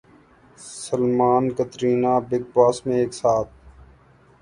Salman Katrina big باس میں ایک ساتھ